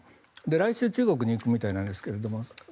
来週、中国に行くみたいなんですけれども。